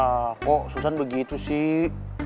ya kok susann begitu sih